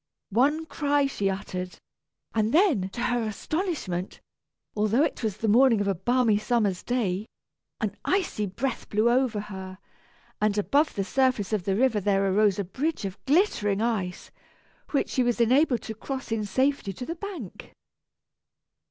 One cry she uttered, and then to her astonishment, although it was the morning of a balmy summer's day, an icy breath blew over her, and above the surface of the river there arose a bridge of glittering ice, which she was enabled to cross in safety to the bank.